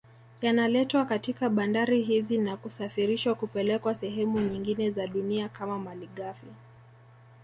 Yanaletwa katika bandari hizi na kusafirishwa kupelekwa sehemu nyingine za dunia kama malighafi